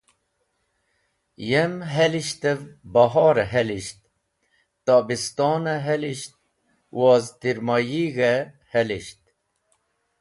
Yem helishtev bahor-e helisht, tobiston-e helisht woz tirmoyig̃h-e helisht.